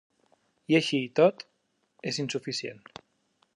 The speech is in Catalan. I així i tot és insuficient.